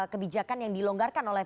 kebijakan yang dilonggarkan oleh